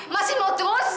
masih mau terus